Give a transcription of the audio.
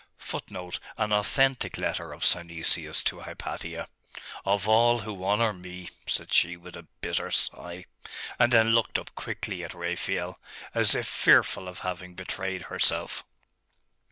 [Footnote: An authentic letter of Synesius to Hypatia.] 'Of all who honour me!' said she, with a bitter sigh: and then looked up quickly at Raphael, as if fearful of having betrayed herself.